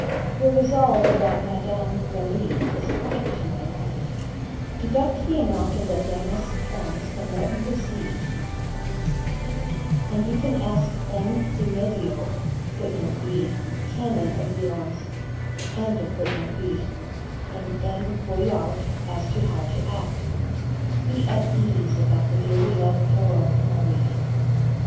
Your resolve about Madame Raime is quite to my mind. Deduct the amount of the damask plums from what you receive and you can ask M. de Medio[B] and M. Voullart as to how to act. Be at ease about the dearly loved Péronne Marie.